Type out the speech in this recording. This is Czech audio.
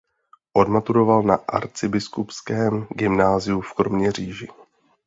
Odmaturoval na Arcibiskupském gymnáziu v Kroměříži.